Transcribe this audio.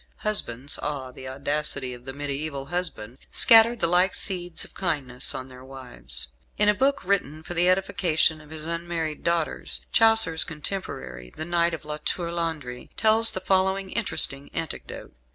Husbands (ah, the audacity of the mediaeval husband) scattered the like seeds of kindness on their wives. In a book written for the edification of his unmarried daughters, Chaucer's contemporary, the Knight of La Tour Landry, tells the following interesting anecdote.